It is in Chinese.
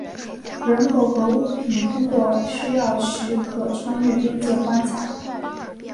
人口和物品通常需要许可穿越边界关卡。